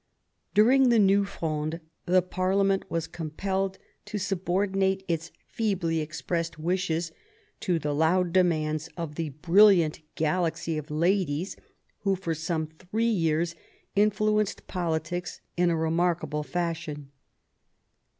During the New Fronde the parlement was compelled to subordinate its feebly expressed wishes to the loud demands of the brilliant galaxy of ladies who for some three years influenced politics in a remark able fashion.